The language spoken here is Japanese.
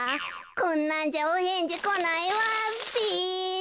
こんなんじゃおへんじこないわべだ。